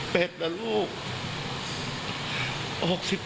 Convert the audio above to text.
เป็ดก็รู้สินะ